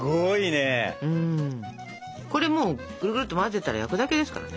これもうぐるぐるっと混ぜたら焼くだけですからね。